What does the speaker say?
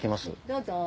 どうぞ。